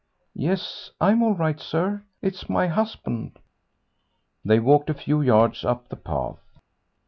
"Yes, I'm all right, sir; it's my husband." They walked a few yards up the path.